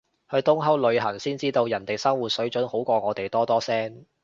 去東歐旅行先知道，人哋生活水準好過我哋多多聲